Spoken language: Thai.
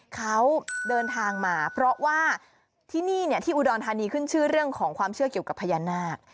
เขาเดินทางมาเพราะว่าที่นี่ที่อุดรธานีขึ้นชื่อเรื่องของความเชื่อเกี่ยวกับพญานาค